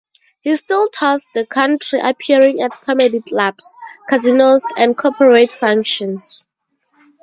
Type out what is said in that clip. He still tours the country appearing at comedy clubs, casinos and corporate functions.